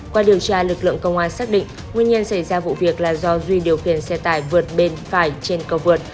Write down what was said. qua điều tra lực lượng công an xác định nguyên nhân xảy ra vụ việc là do duy điều khiển xe tải vượt bên phải trên cầu vượt